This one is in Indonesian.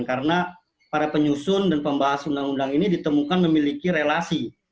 karena para penyusun dan pembahasan undang undang ini ditemukan memiliki relasi